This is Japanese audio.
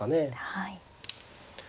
はい。